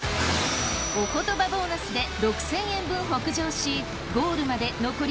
おことばボーナスで６，０００円分北上し。